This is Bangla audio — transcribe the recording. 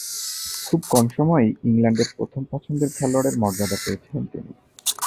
খুব কম সময়ই ইংল্যান্ডের প্রথম পছন্দের খেলোয়াড়ের মর্যাদা পেয়েছিলেন তিনি।